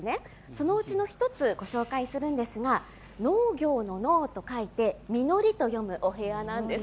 そのうちの１つご紹介するんですが農業の「農」と書いてみのりというお部屋なんです。